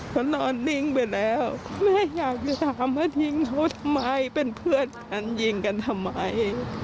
เขานอนนิ่งไปแล้วแม่อยากจะถามว่าทิ้งเขาทำไมเป็นเพื่อนกันยิงกันทำไม